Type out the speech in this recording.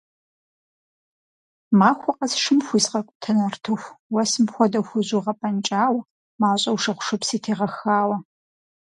Махуэ къэс шым хуизгъэкӀутэ нартыху, уэсым хуэдэу хужьу гъэпӀэнкӀауэ, мащӀэу шыгъушыпси тегъэхауэ.